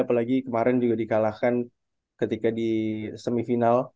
apalagi kemarin juga di kalahkan ketika di semifinal